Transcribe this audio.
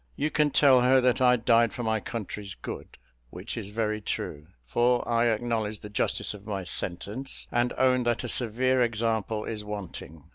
You can tell her that I died for my country's good, which is very true, for I acknowledge the justice of my sentence, and own that a severe example is wanting.